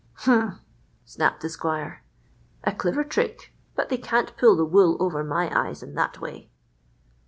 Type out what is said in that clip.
"Humph!" snapped the squire. "A clever trick; but they can't pull the wool over my eyes in that way."